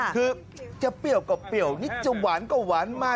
คือจะเปรี้ยวก็เปรี้ยวนิดจะหวานก็หวานมา